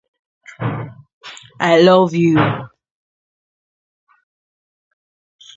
In addition to environmental concerns, fire ants also pose a threat to human health.